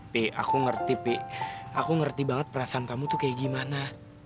pi aku ngerti pik aku ngerti banget perasaan kamu tuh kayak gimana